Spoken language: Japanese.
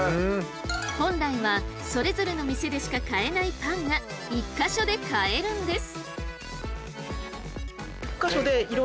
本来はそれぞれの店でしか買えないパンが１か所で買えるんです。